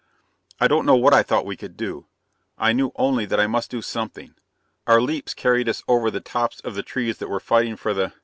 "I don't know what I thought we could do. I knew only that I must do something. Our leaps carried us over the tops of the trees that were fighting for the ...